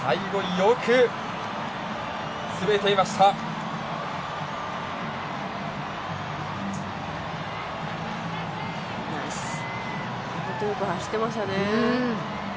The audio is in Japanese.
よく走ってましたね。